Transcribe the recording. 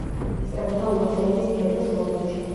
ესწრებოდა უესტ-ენდის თეატრს ლონდონში.